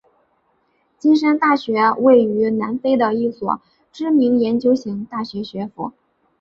金山大学位于南非的一所知名研究型大学学府。